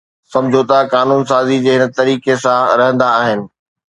سمجھوتا قانون سازي جي ھن طريقي سان رھندا آھن